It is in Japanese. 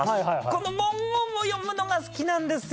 この文言を読むのが好きなんですよ。